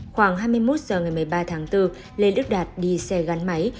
khoảng hai mươi một h ngày một mươi ba tháng bốn lê đức đạt đi xe gắn máy